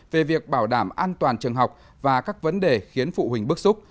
về việc bảo đảm an toàn trường học và các vấn đề khiến phụ huynh bức xúc